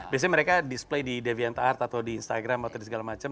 biasanya mereka display di deviantart atau di instagram atau segala macem